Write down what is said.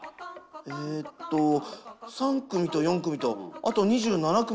えっと３組と４組とあと２７組のみんなにも。